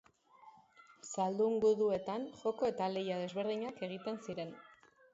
Zaldun guduetan joko eta lehia desberdinak egiten ziren.